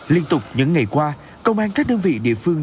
liên tục những ngày qua công an các đơn vị địa phương